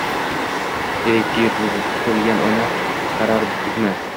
«Ellik ikki» – yuzimizga tutilgan oynaga qaradikmi?